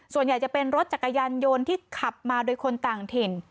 ส่วนใหญ่จะเป็นรถจักรยานยนต์ที่ขับมาโดยคนต่างถิ่น